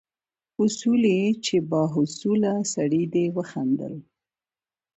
اصولي چې با حوصله سړی دی وخندل.